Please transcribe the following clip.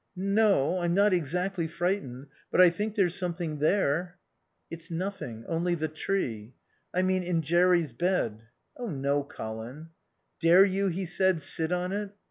"No. I'm not exactly frightened, but I think there's something there." "It's nothing. Only the tree." "I mean in Jerry's bed." "Oh no, Colin." "Dare you," he said, "sit on it?"